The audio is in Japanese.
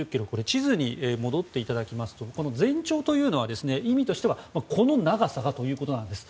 地図に戻っていただきますと全長というのは意味としてはこの長さがということなんです。